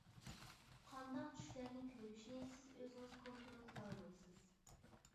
قانداق چۈشلەرنى كۆرۈشنى سىز ئۆزىڭىز كونترول قىلالمايسىز.